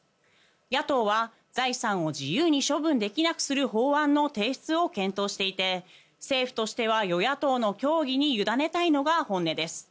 野党は、財産を自由に処分できなくする法案の提出を検討していて政府としては与野党の協議に委ねたいのが本音です。